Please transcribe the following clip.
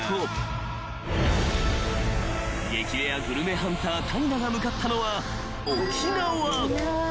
［激レアグルメハンター谷田が向かったのは］